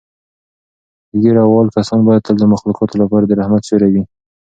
ږیره وال کسان باید تل د مخلوقاتو لپاره د رحمت سیوری وي.